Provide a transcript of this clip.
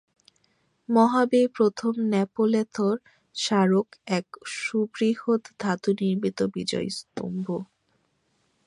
মহাবীর প্রথম ন্যাপোলেঅঁর স্মারক এক সুবৃহৎ ধাতুনির্মিত বিজয়স্তম্ভ।